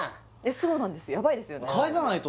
そうなんですやばいですよね返さないと！